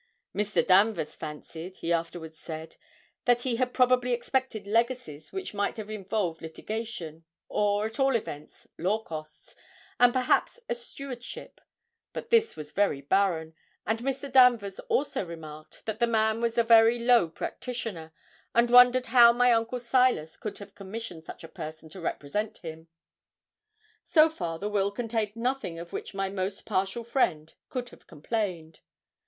Mr. Danvers fancied, he afterwards said, that he had probably expected legacies which might have involved litigation, or, at all events, law costs, and perhaps a stewardship; but this was very barren; and Mr. Danvers also remarked, that the man was a very low practitioner, and wondered how my uncle Silas could have commissioned such a person to represent him. So far the will contained nothing of which my most partial friend could have complained.